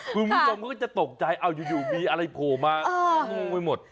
คุณคุณควรก็จะตกใจอยู่มีอะไรโผล่มามึงไม่หมด